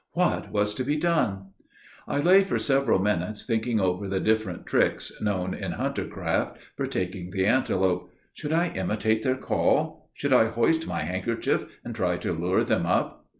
What was to be done? I lay for several minutes, thinking over the different tricks, known in hunter craft, for taking the antelope. Should I imitate their call? Should I hoist my handkerchief and try to lure them up?